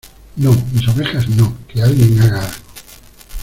¡ No, mis ovejas no! ¡ que alguien haga algo !